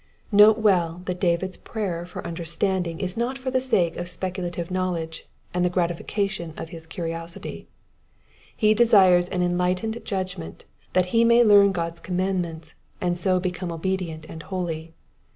Note well that David's prayer for understanding is not for the sake of speculative knowledge, and the gratification of his curiosity : he desires an enlightened judgment that he may learn God's commandments, and so become obedient and holy.